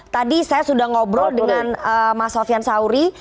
tadi saya sudah ngobrol dengan mas sofian sauri